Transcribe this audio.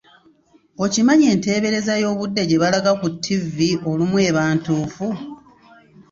Okimanyi enteebereza y'obudde gye balaga ku ttivi olumu eba ntuufu?